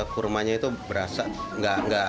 kurma itu berasa tidak menggoda